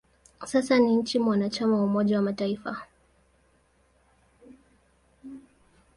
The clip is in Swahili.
Sasa ni nchi mwanachama wa Umoja wa Mataifa.